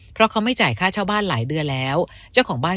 เพราะเขาไม่จ่ายค่าเช่าบ้านหลายเดือนแล้วเจ้าของบ้าน